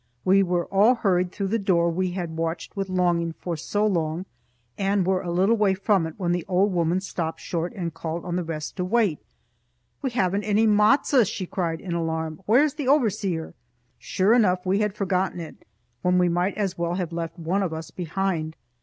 We were all hurried through the door we had watched with longing for so long, and were a little way from it when the old woman stopped short and called on the rest to wait. "We haven't any matzo!" she cried in alarm. "Where's the overseer?" Sure enough we had forgotten it, when we might as well have left one of us behind.